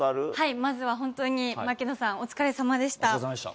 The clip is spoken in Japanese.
まずは本当に槙野さん、お疲れさまでした。